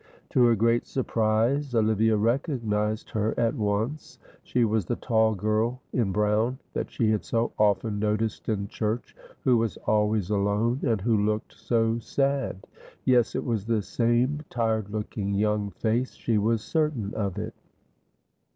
To her great surprise Olivia recognised her at once. She was the tall girl in brown that she had so often noticed in church, who was always alone, and who looked so sad. Yes, it was the same tired looking young face, she was certain of it.